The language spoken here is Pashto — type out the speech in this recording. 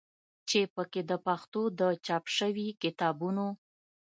چې په کې د پښتو د چاپ شوي کتابونو